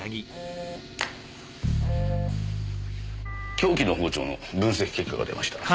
凶器の包丁の分析結果が出ました。